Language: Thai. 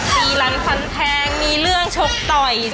ทีหลังฟันแทงมีเรื่องชกต่อย